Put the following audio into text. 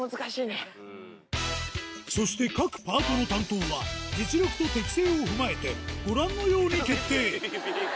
そして各パートの担当は実力と適性を踏まえてご覧のように決定